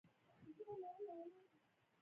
نوې پوهه د بریا اساس دی